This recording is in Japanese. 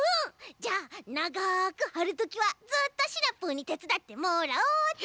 じゃあながくはるときはずっとシナプーにてつだってもらおっと！